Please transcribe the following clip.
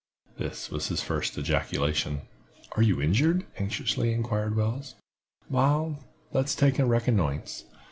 This was his first ejaculation. "Are you injured?" anxiously inquired Wells. "Wal, let's take a reconnoissance.